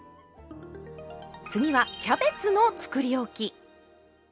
次はキャベツのつくりおき。